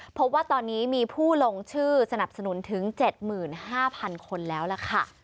พบว่าตอนนี้มีผู้ลงชื่อสนับสนุนถึง๗๕๐๐คนแล้วล่ะค่ะ